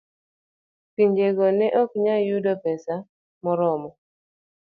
Pinjego ne ok nyal yudo pesa moromo